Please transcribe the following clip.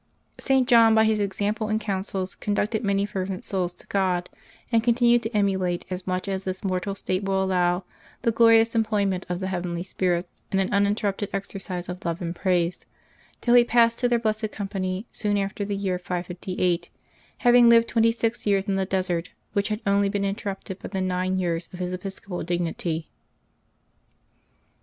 St. John, by his example and counsels, conducted many fervent souls to God, and continued to emulate, as much as this mortal state will allow, the glorious employment of the heavenly spirits in an uninterrupted exercise of love and praise, till he passed to their blessed company, soon after the year 558 ; having lived seventy six years in the desert, which had only been interrupted by the nine years of his episcopal dignity.